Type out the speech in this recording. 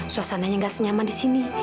suasananya nggak senyaman di sini